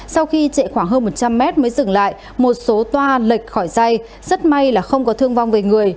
sau khi chạy khoảng hơn một trăm linh mét mới dừng lại một số toa lệch khỏi dây rất may là không có thương vong về người